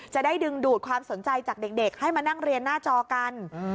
จะได้ดึงดูดความสนใจจากเด็กให้มานั่งเรียนหน้าจอกัน